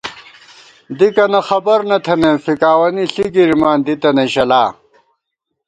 دِکَنہ خبر نہ بِمېم ، فِکاوَنی ݪی گِرِمان، دِتَنہ شلا